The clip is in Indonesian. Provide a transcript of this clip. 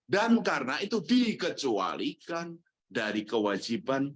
dan karena itu dikecualikan dari kewajiban